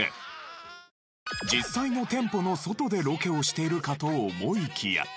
実際の店舗の外でロケをしているかと思いきや。